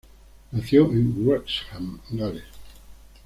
Nació en Wrexham, Gales.